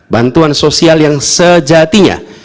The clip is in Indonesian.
bantuan sosial yang sejatinya